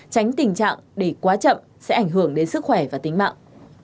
tránh tình trạng để quá chậm sẽ ảnh hưởng đến sức khỏe và tính mạng